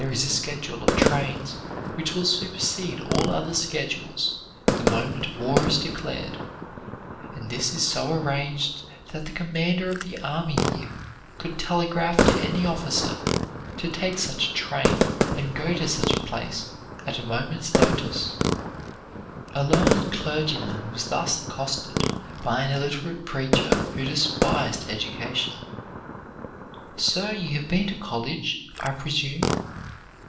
There is a schedule of trains which will supersede all other schedules the moment war is declared, and this is so arranged that the commander of the army here could telegraph to any officer to take such a train and go to such a place at a moment's notice." A learned clergyman was thus accosted by an illiterate preacher who despised education: "Sir, you have been to college, I presume?"